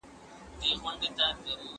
دا پخوانی فکر وروسته له منځه ولاړ.